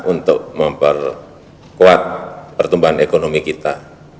untuk memperkuat pertumbuhan ekonomi kita